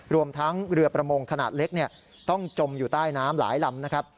รวมทั้งเรือประมงขนาดเล็กต้องจมอยู่ใต้น้ำหลายลำนะครับ